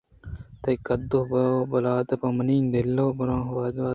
تئی قدّ ءُبالاد پہ منی دل ءَ ہروہد ءَ باز اِنت